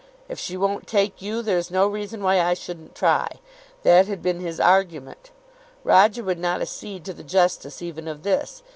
"If she won't take you, there is no reason why I shouldn't try." That had been his argument. Roger would not accede to the justice even of this.